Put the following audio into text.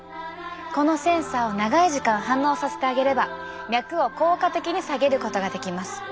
このセンサーを長い時間反応させてあげれば脈を効果的に下げることができます。